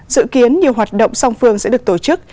dự kiến nhiều hoạt động song phương sẽ được tổ chức